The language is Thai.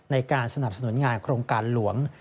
ในการสนับสนุนงานโครงการหลวง